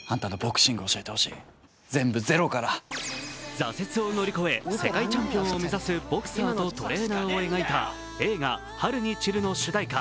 挫折を乗り越え世界チャンピオンを目指す、ボクサーとトレーナーを描いた映画「春に散る」の主題歌